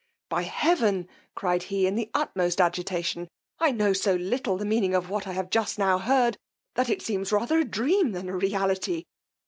By heaven! cried he, in the utmost agitation, I know so little the meaning of what I have just now heard, that it seems rather a dream than a reality.